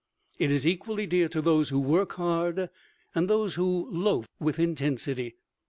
It is equally dear to those who work hard and those who loaf with intensity.